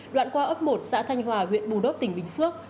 đoạn qua ấp một xã thanh hòa huyện bù đốc tỉnh bình phước